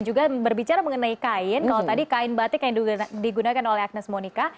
juga berbicara mengenai kain kalau tadi kain batik yang digunakan oleh agnes monika